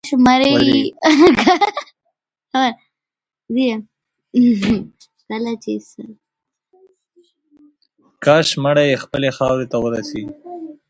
کاش مړی یې خپلې خاورې ته ورسیږي.